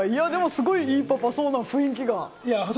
でも、すごいいいパパそうな雰囲気が。